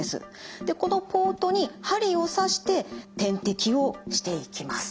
でこのポートに針を刺して点滴をしていきます。